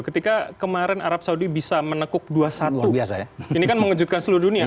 ketika kemarin arab saudi bisa menekuk dua satu ini kan mengejutkan seluruh dunia